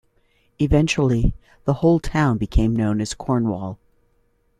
Eventually the whole town became known as Cornwall.